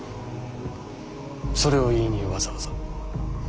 それを言いにわざわざ？